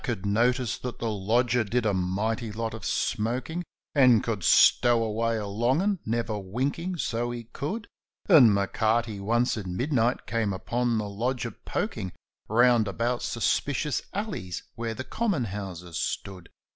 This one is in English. had noticed that the lodger did a mighty lot of smoking, And could ' stow away a long 'un,' never winking, so he could j And M'Oarty once, at midnight, came upon the lodger poking Round about suspicious alleys where the common houses stood.